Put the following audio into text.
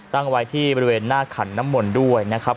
ตั้งไว้ที่บริเวณหน้าขันน้ำมนต์ด้วยนะครับ